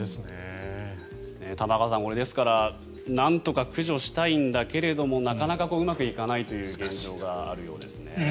玉川さん、ですからなんとか駆除したいんだけどなかなかうまくいかない現状があるわけですね。